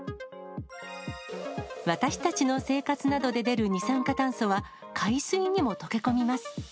私たちの生活などで出る二酸化炭素は海水にも溶け込みます。